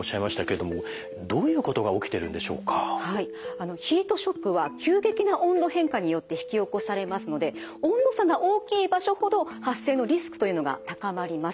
あのヒートショックは急激な温度変化によって引き起こされますので温度差が大きい場所ほど発生のリスクというのが高まります。